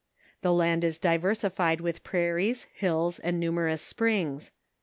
The land is di versified with prairies, hills, and numerous spruigs.